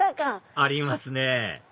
ありますね